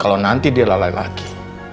kalau nanti dia lalai lagi